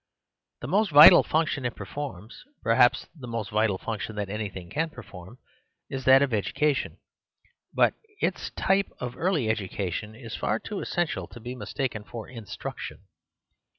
The most vital function it performs, perhaps the most vital function that anything can perform, is that of education ; but its type of early educa ion is far too essential to be mistaken for in struction.